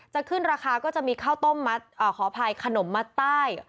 จะขึ้นราคาก็จะมีข้าวต้มมัดขออภัยขนมมัดใต้